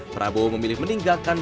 prabowo memilih meninggalkan